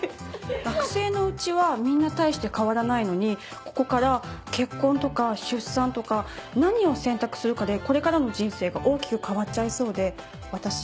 学生のうちはみんな大して変わらないのにここから結婚とか出産とか何を選択するかでこれからの人生が大きく変わっちゃいそうで私